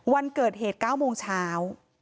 วันเกิดเหตุ๙โมงเช้า